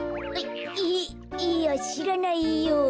いいやしらないよ。